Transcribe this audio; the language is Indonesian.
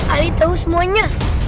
ali tau semuanya